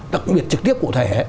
đặc biệt trực tiếp cụ thể